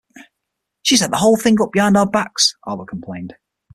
"She set the whole thing up behind our backs," Albert complained.